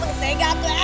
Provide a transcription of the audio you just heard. neng sega kek